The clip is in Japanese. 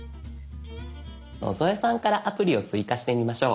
野添さんからアプリを追加してみましょう。